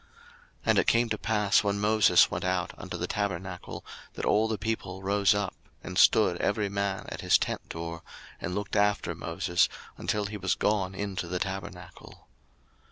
02:033:008 And it came to pass, when Moses went out unto the tabernacle, that all the people rose up, and stood every man at his tent door, and looked after Moses, until he was gone into the tabernacle.